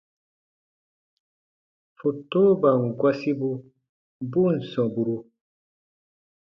Fotoban gɔsibu bu ǹ sɔmburu.